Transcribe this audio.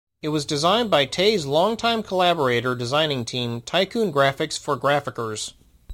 It was designed by Tei's long-time collaborator designing team, Tycoon Graphics for Graphickers.